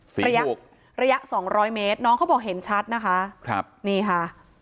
ระยะระยะสองร้อยเมตรน้องเขาบอกเห็นชัดนะคะครับนี่ค่ะ